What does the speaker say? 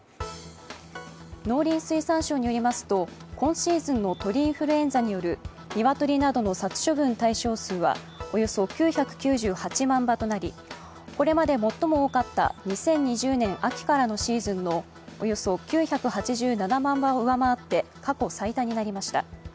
農林水産省によりますと今シーズンの鳥インフルエンザによる鶏などの殺処分対象数はおよそ９９８万羽となりこれまで最も多かった２０２０年秋からのシーズンのおよそ９８７万羽を上回って過去最多になりました。